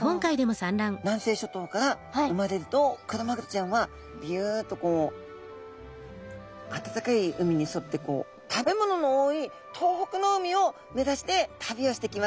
南西諸島から生まれるとクロマグロちゃんはビュっとこう暖かい海に沿ってこう食べ物の多い東北の海を目指して旅をしてきます。